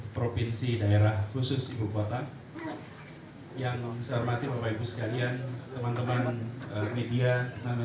provinsi daerah khusus ibu kota yang menghormati bapak ibu sekalian teman teman media nama